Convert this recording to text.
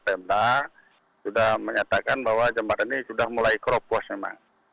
pemda sudah menyatakan bahwa jembatan ini sudah mulai keropos memang